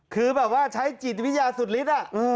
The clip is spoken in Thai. คือแบบว่าใช้จิตวิยาสุฬิษฐ์